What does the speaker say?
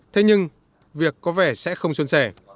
thế nhưng việc có vẻ sẽ không xuân xẻ